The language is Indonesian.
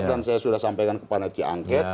dan saya sudah sampaikan ke panitia angket